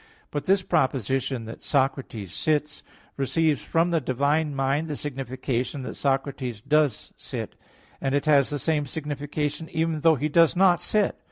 But this proposition that "Socrates sits", receives from the divine mind the signification that Socrates does sit; and it has the same signification even though he does not sit.